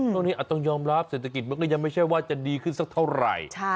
ช่วงนี้อาจต้องยอมรับเศรษฐกิจมันก็ยังไม่ใช่ว่าจะดีขึ้นสักเท่าไหร่